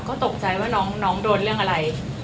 ก็ตกใจว่าน้องโดนเรื่องอะไร